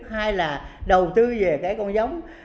hay là đầu tư về cái con giống